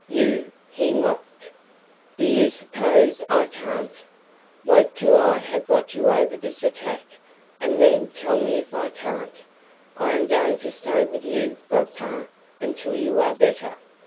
"YOU!" he mocked. "Do you suppose I can't? Wait till I have got you over this attack, and then tell me if I can't. I am going to stay with you, godpapa, until you are better.